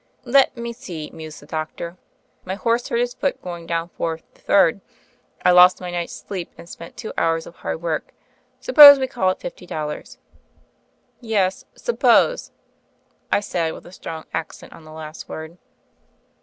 "Let me see," mused the doctor; "my horse hurt his foot going down Fourth to Third; I lost my night's sleep and spent two hours of hard work. Suppose we call it fifty dollars." "Yes: suppose, '' I said, with a strong accent on the last word.